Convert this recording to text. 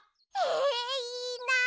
えいいなあ！